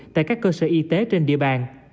tại các cơ sở y tế trên địa bàn